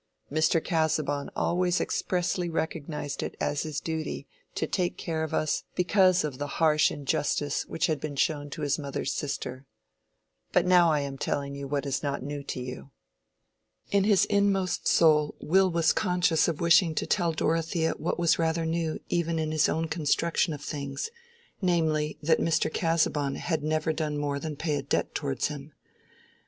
Mr. Casaubon always expressly recognized it as his duty to take care of us because of the harsh injustice which had been shown to his mother's sister. But now I am telling you what is not new to you." In his inmost soul Will was conscious of wishing to tell Dorothea what was rather new even in his own construction of things—namely, that Mr. Casaubon had never done more than pay a debt towards him.